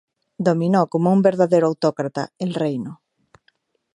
Dominó, como un verdadero autócrata, el reino.